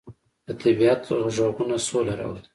د طبیعت غږونه سوله راولي.